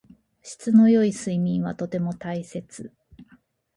質の良い睡眠はとても大切。